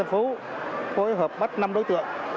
phối hợp bắt năm đối tượng